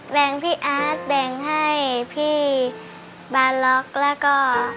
แบ่งพี่อาร์ตแบ่งให้พี่บาล็อกแล้วก็